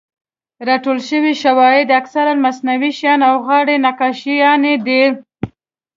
راټول شوي شواهد اکثراً مصنوعي شیان او غار نقاشیانې دي.